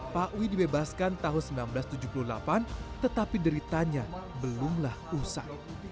pak wi dibebaskan tahun seribu sembilan ratus tujuh puluh delapan tetapi deritanya belumlah usai